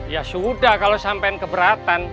ya sudah kalau sampai keberatan